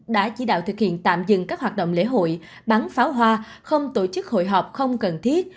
đã chỉ đạo thực hiện tạm dừng các hoạt động lễ hội bắn pháo hoa không tổ chức hội họp không cần thiết